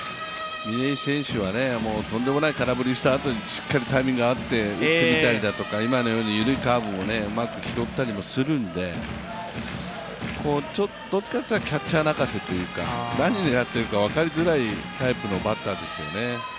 嶺井選手はとんでもない空振りしたあとに打ってみたりとか、今のように緩いカーブをうまく拾ったりもするんでどっちかといったらキャッチャー泣かせというか何を狙っているか分かりづらいタイプのピッチャーですよね。